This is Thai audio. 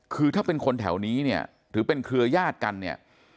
คือถ้าเป็นคนแถวนี้เนี่ยถือเป็นเครือญาติกันเนี่ย